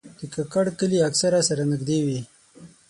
د کاکړ کلي اکثره سره نږدې وي.